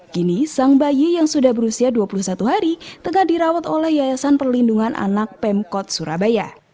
kini sang bayi yang sudah berusia dua puluh satu hari tengah dirawat oleh yayasan perlindungan anak pemkot surabaya